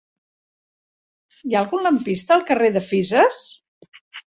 Hi ha algun lampista al carrer de Fisas?